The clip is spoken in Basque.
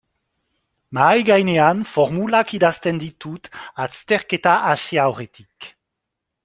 Mahaigainean formulak idazten ditut azterketa hasi aurretik.